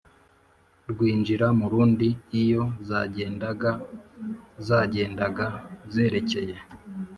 rwinjira mu rundi a Iyo zagendaga zagendaga zerekeye